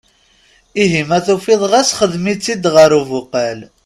Ihi ma tufiḍ ɣas xdem-itt-id ɣer ubuqal.